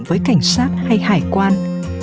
với cảnh sát hay hải quan